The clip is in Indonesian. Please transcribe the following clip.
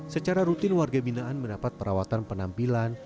secara rutin warga binaan mendapat perawatan penampilan